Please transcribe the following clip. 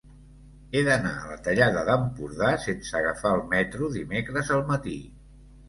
He d'anar a la Tallada d'Empordà sense agafar el metro dimecres al matí.